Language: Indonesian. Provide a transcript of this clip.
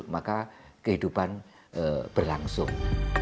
maka kehidupan berlangsung